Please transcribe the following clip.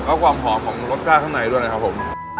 แล้วความหอมของรสชาติข้างในด้วยนะครับผม